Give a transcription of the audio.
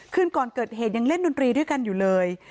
คืนก่อนเกิดเหตุยังเล่นดนตรีด้วยกันอยู่เลย